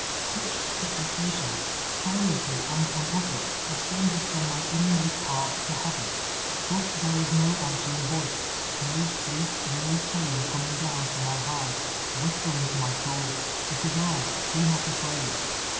Such supplications, silently and uuut tercd, ascended from my inmost heart to Heaven. But there was no answering voice — no sweet, low tone, coming down from on high, whispering to my Boul, " It is I, be not afraid."